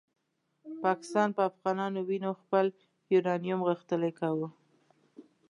پاکستان په افغانانو وینو خپل یورانیوم غښتلی کاوه.